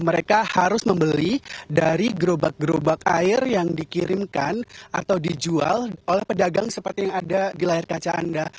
mereka harus membeli dari gerobak gerobak air yang dikirimkan atau dijual oleh pedagang seperti yang ada di layar kaca anda